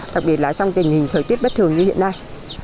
đặc biệt là trong tình hình thời tiết bất thường như hiện nay